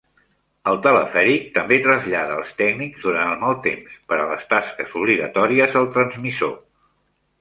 El telefèric també trasllada els tècnics durant el mal temps, per a les tasques obligatòries al transmissor.